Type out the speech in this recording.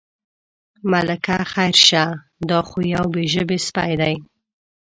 ملکه خیر شه، دا خو یو بې ژبې سپی دی.